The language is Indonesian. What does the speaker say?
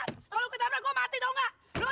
kalo lo ketabrak gue mati tau nggak